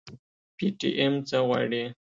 پي ټي ايم څه غواړي؟